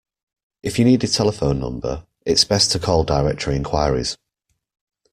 If you need a telephone number, it’s best to call directory enquiries